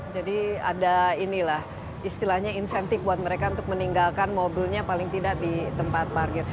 jadi ada inilah istilahnya insentif buat mereka untuk meninggalkan mobilnya paling tidak di tempat parkir